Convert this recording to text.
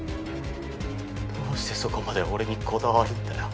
どうしてそこまで俺にこだわるんだよ。